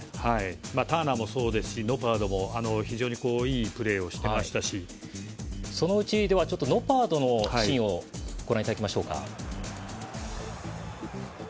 ターナーもそうですしノパートもいいプレーをしていましたしでは、ノパートのシーンをご覧いただきましょう。